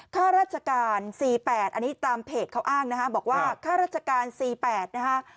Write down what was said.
ค่าราชการ๔๘อันนี้ตามเพจเขาอ้างนะฮะบอกว่าค่าราชการ๔๘นะฮะ